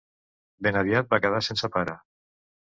Ben aviat va quedar sense pare.